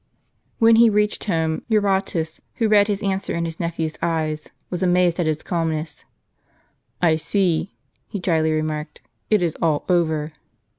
When he reached home, Eurotas, who read his answer in his nephew's eye, was amazed at his calmness. " I see," he drily remarked, "it is all over."